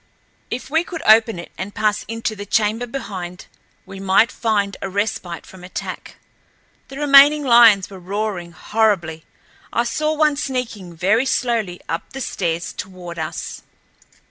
If we could open it and pass into the chamber behind we might find a respite from attack. The remaining lions were roaring horribly. I saw one sneaking very slowly up the stairs toward us.